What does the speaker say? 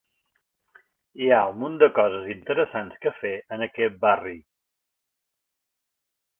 Hi ha un munt de coses interessants que fer en aquest barri.